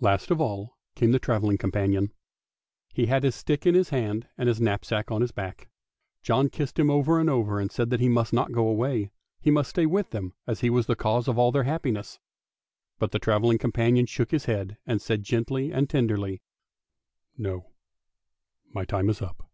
Last of all came the travelling companion; he had his stick in his hand and his knapsack on his back. John kissed him over and over, and said that he must not go away; he must stay with them, 382 ANDERSEN'S FAIRY TALES as he was the cause of all their happiness. But the travelling companion shook his head, and said gently and tenderly, "No; my time is up.